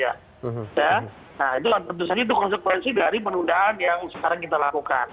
ya itu tentu saja konsekuensi dari penundaan yang sekarang kita lakukan